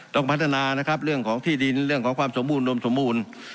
ต้องพัฒนานะครับเรื่องของที่ดินเรื่องของความสมบูรณมสมบูรณ์